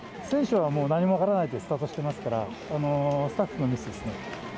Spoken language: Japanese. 選手はもう何も分からないでスタートしてますから、スタッフのミスですね。